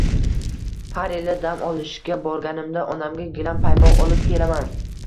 Har yili dam olishga borganimda onamga gilam paypoq olib kelaman.